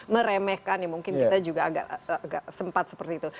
meremehkan ya mungkin kita juga agak sempat seperti itu